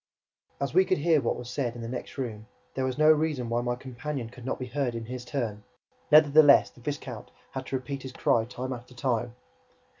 As we could hear what was said in the next room, there was no reason why my companion should not be heard in his turn. Nevertheless, the viscount had to repeat his cry time after time.